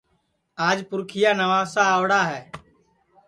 آج پُرکھِیا نوابسا آؤڑا ہے